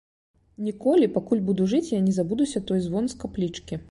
Ніколі, пакуль буду жыць, я не забудуся той звон з каплічкі.